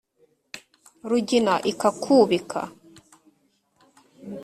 rugina ikakwubika